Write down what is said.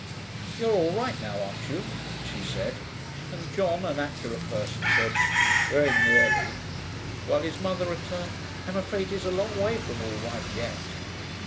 'You're all right now, aren't you?' she said, and John, an accurate person, said, 'Very nearly,' while his mother returned, 'I'm afraid he's a long way from all right yet.'